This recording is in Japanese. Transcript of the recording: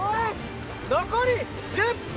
残り１０分！